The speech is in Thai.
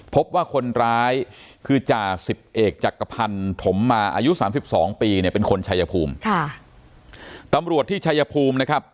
พบว่าคนร้ายคือจสิบเอกจักรพรรณถมมาอายุ๓๒ปีเป็นคนชายภูมิ